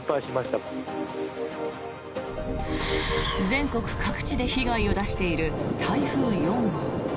全国各地で被害を出している台風４号。